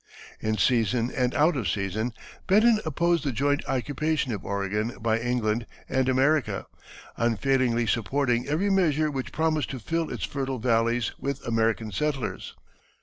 In season and out of season Benton opposed the joint occupation of Oregon by England and America, unfailingly supporting every measure which promised to fill its fertile valleys with American settlers.